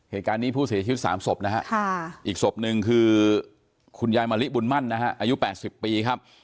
เหตุการณ์นี้ผู้เสียชีวิต๓ศพนะฮะอีกศพหนึ่งคือคุณยายมะลิบุญมั่นนะฮะอายุ๘๐ปีครับ